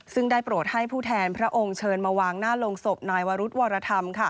ซึ่งได้โปรดให้ผู้แทนพระองค์เชิญมาวางหน้าโรงศพนายวรุธวรธรรม